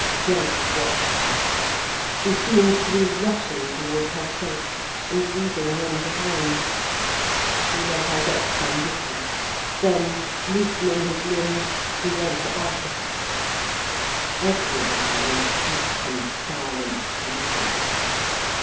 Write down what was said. Gerald watched her: she seemed to be rushing towards her fate, and leaving him behind. He let her get some distance, then, loosening his limbs, he went after her. Everywhere was deep and silent snow.